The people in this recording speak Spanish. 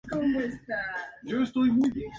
Richard nació en Medford, Oregon.